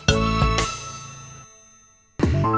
emang gak kembaran